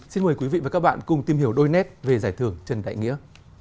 xin mời quý vị và các bạn cùng tìm hiểu đôi nét về giải thưởng trần đại nghĩa